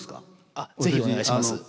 あっ是非お願いします。